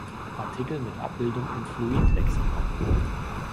Artikel mit Abbildung im Fluid-Lexikon